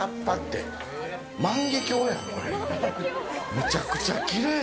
むちゃくちゃきれい！